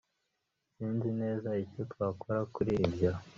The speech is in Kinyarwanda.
Sinzi neza icyo twakora kuri ibyo